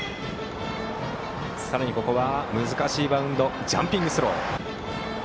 さらに、難しいバウンドをジャンピングスロー。